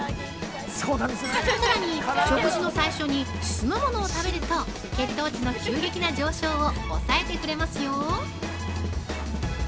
さらに、食事の最初に酢の物を食べると血糖値の急激な上昇を抑えてくれますよ。